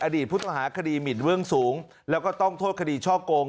ผู้ต้องหาคดีหมินเบื้องสูงแล้วก็ต้องโทษคดีช่อโกง